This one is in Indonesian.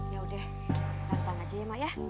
yaudah rantang aja ya mak ya